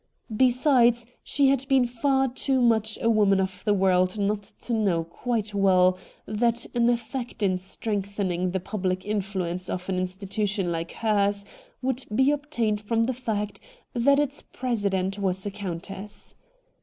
Besides, she had been far too much a woman of the world not to know quite well what an effect in strengthening the public influence of an institution like hers would be obtained from the fact that its presi dent was a countess.